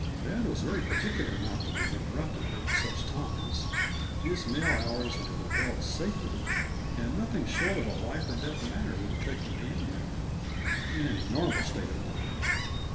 Dad was very particular not to be interrupted at such times; his mail hours were held sacred, and nothing short of a life or death matter would have taken me in there in any normal state of mind.